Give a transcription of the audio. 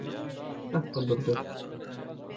sakga durdy.